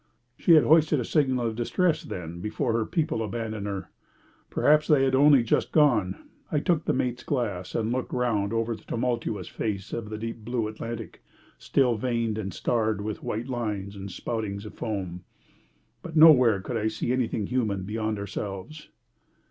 She had hoisted a signal of distress, then, before her people had abandoned her. Perhaps they had only just gone. I took the mate's glass and looked round over the tumultuous face of the deep blue Atlantic, still veined and starred with white lines and spoutings of foam. But nowhere could I see anything human beyond ourselves.